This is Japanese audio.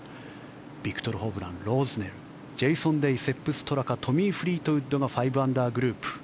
ビクトル・ホブランロズネル、ジェイソン・デイセップ・ストラカトミー・フリートウッドが５アンダーグループ。